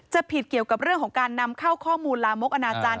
ผิดเกี่ยวกับเรื่องของการนำเข้าข้อมูลลามกอนาจารย